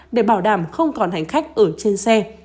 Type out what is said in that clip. để bảo đảm không còn hành khách ở trên xe